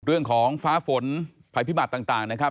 เรื่องของฟ้าฝนภัยพิบัตรต่างนะครับ